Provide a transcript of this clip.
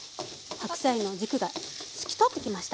白菜の軸が透き通ってきました。